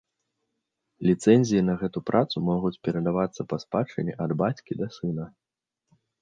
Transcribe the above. Ліцэнзіі на гэту працу могуць перадавацца па спадчыне ад бацькі да сына.